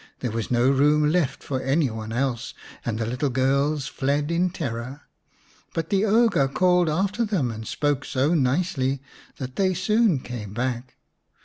There was no room left for any one else, and the little girls fled in terror. But the ogre called after them and spoke so nicely that they so6n came back.